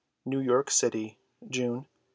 New York City, June, 1898.